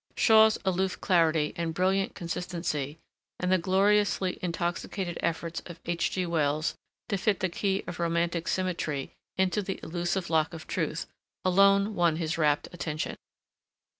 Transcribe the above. Shaw's aloof clarity and brilliant consistency and the gloriously intoxicated efforts of H. G. Wells to fit the key of romantic symmetry into the elusive lock of truth, alone won his rapt attention.